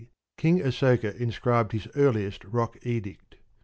King Asoka inscribed his earliest rock edict.